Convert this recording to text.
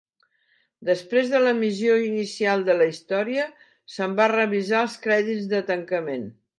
Després de l'emissió inicial de la història, se'n van revisar els crèdits de tancament.